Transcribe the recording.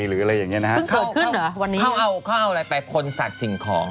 หรืออะไรอย่างนี้นะครับ